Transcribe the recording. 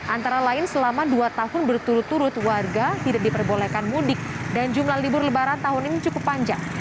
antara lain selama dua tahun berturut turut warga tidak diperbolehkan mudik dan jumlah libur lebaran tahun ini cukup panjang